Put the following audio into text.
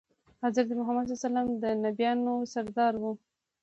حضرت محمد د انبياوو سردار وو.